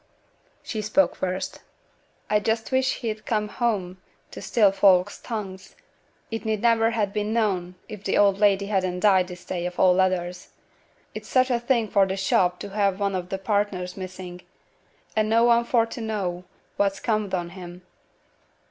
She spoke first. 'A just wish he'd come home to still folks' tongues. It need niver ha' been known if t' old lady hadn't died this day of all others. It's such a thing for t' shop t' have one o' t' partners missin', an' no one for t' know what's comed on him.